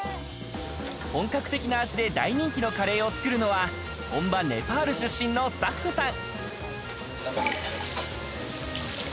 本格的な味で大人気のカレーを作るのは本場ネパール出身のスタッフさん。